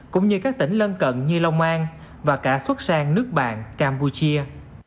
cũng như các tỉnh lân cận như long an và cả xuất sang nước bạn campuchia